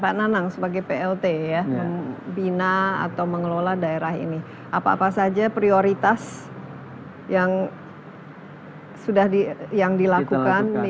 pak nanang sebagai plt ya membina atau mengelola daerah ini apa apa saja prioritas yang sudah yang dilakukan